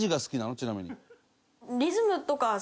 ちなみに。